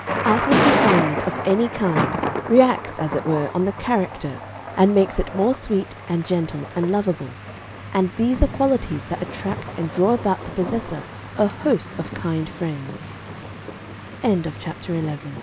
Outward refinement of any kind reacts as it were on the character and makes it more sweet and gentle and lovable, and these are qualities that attract and draw about the possessor a host of kind frie